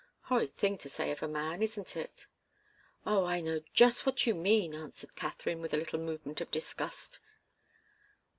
Horrid thing to say of a man, isn't it?" "Oh, I know just what you mean!" answered Katharine, with a little movement of disgust.